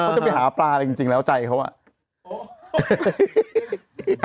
จะไปหาปลาอะไรจริงแล้วใจเขาอ่ะ